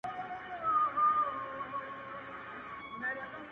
مستي ـ مستاني ـ سوخي ـ شنګي د شرابو لوري ـ